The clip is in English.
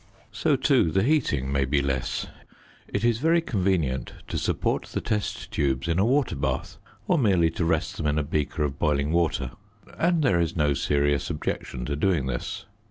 So, too, the heating may be less; it is very convenient to support the test tubes in a water bath, or merely to rest them in a beaker of boiling water; and there is no serious objection to doing this.